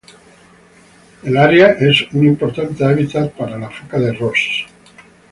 El área es un importante hábitat para la foca de Ross.